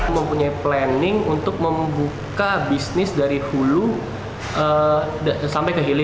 mempunyai planning untuk membuka bisnis dari hulu sampai ke hilir